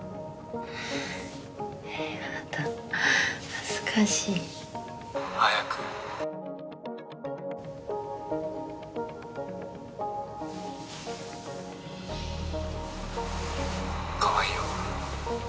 恥ずかしい「早く」「かわいいよ」